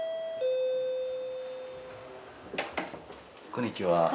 こんにちは。